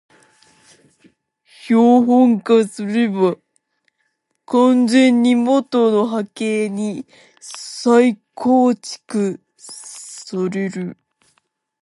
標本化すれば完全に元の波形に再構成される